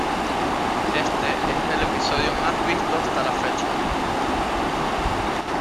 Este es el episodio más visto hasta la fecha.